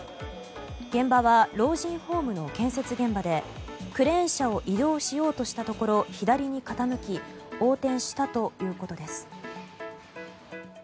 現場は老人ホームの建設現場でクレーン車を移動しようとしたところ左に傾き横転したということです。